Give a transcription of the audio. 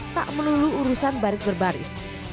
tak menelulu urusan baris berbaris